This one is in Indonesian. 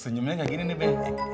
senyumnya kayak gini nih be